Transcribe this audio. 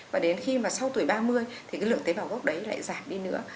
và đến khi mà sau tuổi ba mươi thì cái lượng tế bào gốc đấy lại giảm đi nữa